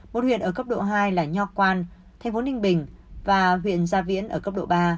một huyện ở cấp độ hai là nho quan thành phố ninh bình và huyện gia viễn ở cấp độ ba